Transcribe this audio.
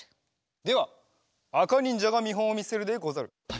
ではあかにんじゃがみほんをみせるでござる。